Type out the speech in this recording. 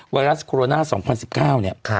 ไวรัสโคโรนา๒๐๑๙เนี่ย